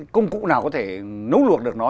công cụ nào có thể nấu luộc được nó